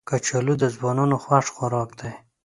کچالو د ځوانانو خوښ خوراک دی